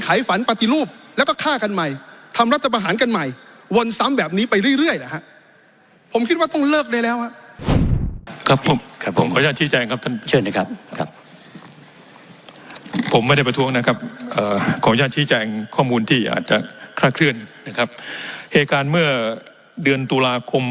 ข้อมูลที่อาจจะคลักเคลื่อนนะครับเหตุการณ์เมื่อเดือนตุลาคม